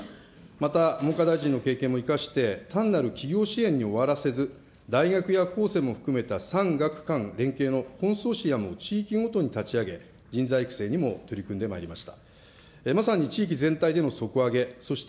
また文科大臣の経験も生かして、単なる企業支援に終わらせず、大学やも含めた産学官連携のコンソーシアムも地域ごとに立ち上げ、人材育成にも取り組んでまいりました。